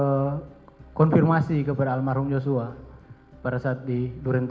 dan saya juga meminta konfirmasi kepada almarhum joshua pada saat di durian tiga